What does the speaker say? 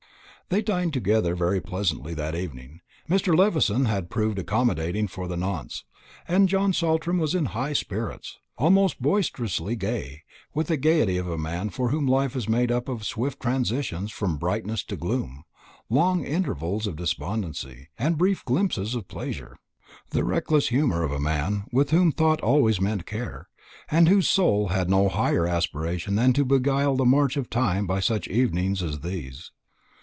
They dined together very pleasantly that evening. Mr. Levison had proved accommodating for the nonce; and John Saltram was in high spirits, almost boisterously gay, with the gaiety of a man for whom life is made up of swift transitions from brightness to gloom, long intervals of despondency, and brief glimpses of pleasure; the reckless humour of a man with whom thought always meant care, and whose soul had no higher aspiration than to beguile the march of time by such evenings as these.